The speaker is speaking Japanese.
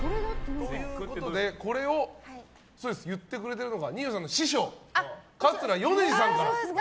これを言ってくれてるのが二葉さんの師匠、桂米二さん。